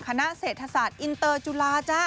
คณะเศรษฐศาสตร์อินเตอร์จุฬาจ้า